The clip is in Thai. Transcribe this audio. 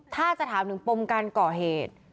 ถ้าจะถามถึงปมการก่อเหตุ